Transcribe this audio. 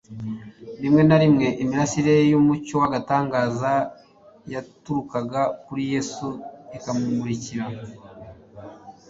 Rimwe na rimwe imirasire y'umucyo w'agatangaza, yaturukaga kuri Yesu ikabamurikira;